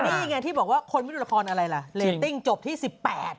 นี่ไงที่บอกว่าคนไม่รู้ละครอะไรล่ะเรตติ้งจบที่สิบแปด